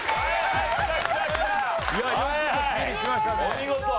お見事！